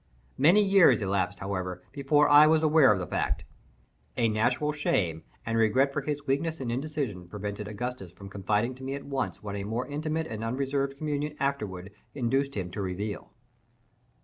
Many years elapsed, however, before I was aware of this fact. A natural shame and regret for his weakness and indecision prevented Augustus from confiding to me at once what a more intimate and unreserved communion afterward induced him to reveal.